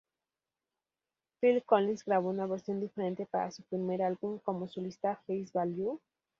Phil Collins grabó una versión diferente para su primer álbum como solista "Face Value".